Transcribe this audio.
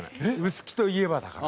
「臼杵といえば」だから。